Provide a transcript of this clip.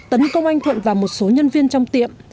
tấn công anh thuận và một số nhân viên trong tiệm